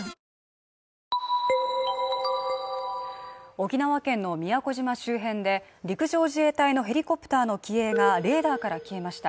沖縄県の宮古島周辺で陸上自衛隊のヘリコプターの機影がレーダーから消えました。